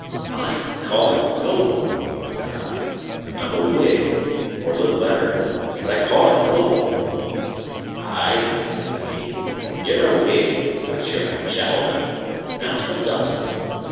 "I call it noble," I cried. "I'm a Whig, or little better; but I call it noble." "Ay" said he, "ye're a Whig, but ye're a gentleman; and that's what does it.